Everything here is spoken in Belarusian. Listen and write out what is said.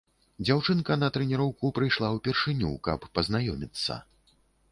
Дзяўчынка на трэніроўку прыйшла ўпершыню, каб пазнаёміцца.